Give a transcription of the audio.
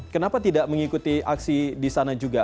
kenapa tidak mengikuti aksi di sana juga